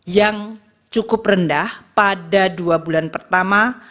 yang cukup rendah pada dua bulan pertama